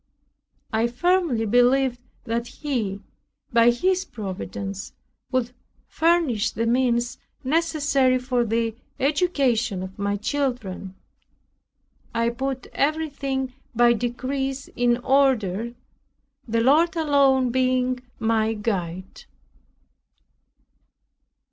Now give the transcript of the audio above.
I firmly believe that He, by His Providence, would furnish the means necessary for the education of my children. I put everything by degrees in order, the Lord alone being my guide.